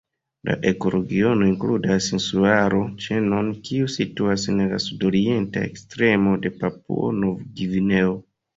La ekoregiono inkludas insularo-ĉenon kiu situas en la sudorienta ekstremo de Papuo-Novgvineo.